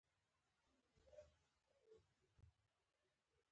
هغه هغې ته د سپوږمیز دښته ګلان ډالۍ هم کړل.